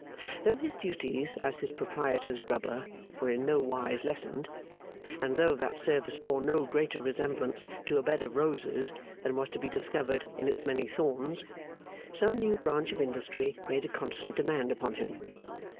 Though his duties as his proprietor's grubber were in no wise lessened; and though that service bore no greater resemblance to a bed of roses than was to be discovered in its many thorns; some new branch of industry made a constant demand upon him.